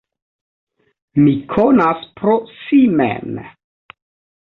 Mi konas pro si mem.